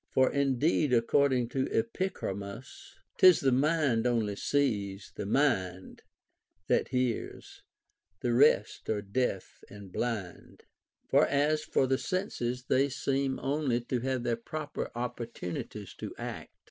For indeed, ac cording to Epicharmus, 'Tis the mind only sees, the mind That hears ; the rest are deaf iind blind. OF ALEXANDER THE GREAT. 497 For as for the senses, they seem only to have their proper opportunities to act.